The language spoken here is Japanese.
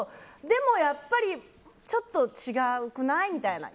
でも、やっぱりちょっと違うくない？みたいな。